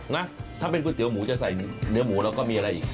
นะถ้าเป็นก๋วเตี๋หมูจะใส่เนื้อหมูแล้วก็มีอะไรอีก